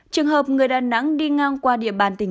trường hợp người đà nẵng đi ngang qua địa bàn tỉnh